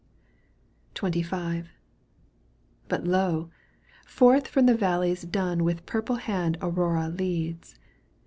XXV, " But lo ! forth from the valleys dun With purple hand Aurora leads.